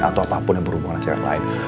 atau apapun yang berhubungan dengan lain